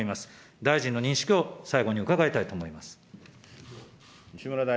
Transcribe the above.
大臣の認識を最後に伺いたいと思います。